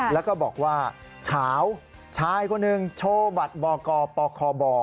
แล้วก็บอกว่าเฉาชายคนหนึ่งโชว์บัตรบกปคบ